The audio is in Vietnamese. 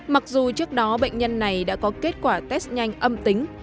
mặc dù trước đó bệnh nhân này đã có kết quả test nhanh âm tính